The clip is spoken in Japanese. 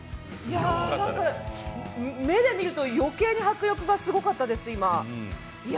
目で見るとよけいに迫力がすごかったです。